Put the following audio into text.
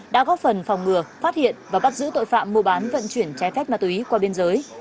đã góp phần phòng ngừa phát hiện và bắt giữ tội phạm mua bán vận chuyển trái phép ma túy qua biên giới